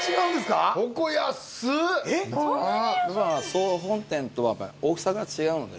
総本店とはやっぱり大きさが違うので。